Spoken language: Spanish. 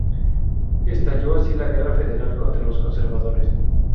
Estalló así la Guerra Federal contra los conservadores.